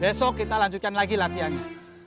besok kita lanjutkan lagi latihannya